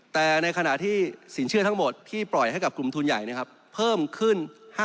แต่ในขณะที่สินเชื่อทั้งหมดที่ปล่อยให้กับกลุ่มทุนใหญ่เพิ่มขึ้น